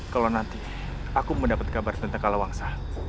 kalau nanti aku mendapat kabar tentang kala waksa